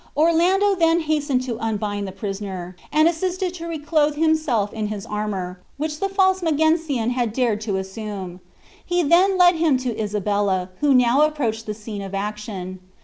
Orlando then hastened to unbind the prisoner, and to assist him to reclothe himself in his armor, which the false Magencian had dared to assume. He then led him to Isabella, who now approached the scene of action.